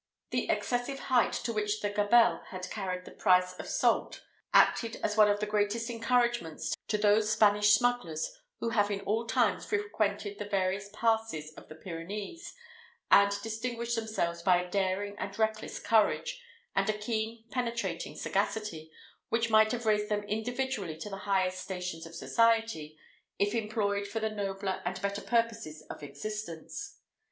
The excessive height to which the gabelle had carried the price of salt acted as one of the greatest encouragements to those Spanish smugglers, who have in all times frequented the various passes of the Pyrenees, and distinguished themselves by a daring and reckless courage, and a keen penetrating sagacity, which might have raised them individually to the highest stations of society, if employed for the nobler and better purposes of existence.